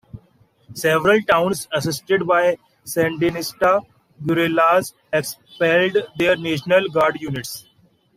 Several towns, assisted by Sandinista guerrillas, expelled their National Guard units.